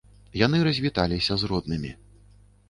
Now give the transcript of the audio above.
Яны развіталіся з роднымі.